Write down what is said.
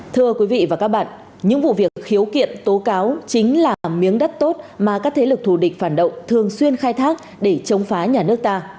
thưa quý vị và các bạn những vụ việc khiếu kiện tố cáo chính là miếng đất tốt mà các thế lực thù địch phản động thường xuyên khai thác để chống phá nhà nước ta